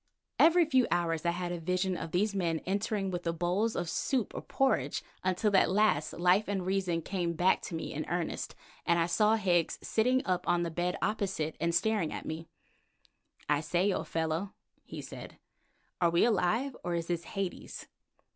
Every few hours I had a vision of these men entering with the bowls of soup or porridge, until at last life and reason came back to me in earnest, and I saw Higgs sitting up on the bed opposite and staring at me. "I say, old fellow," he said, "are we alive, or is this Hades?"